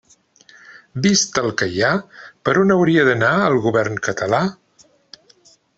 Vist el que hi ha, ¿per on hauria d'anar el Govern català?